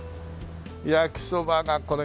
焼きそばがこれがねえ。